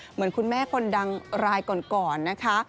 เหมือนคุณแม่คนดังรายก่อนนะคะ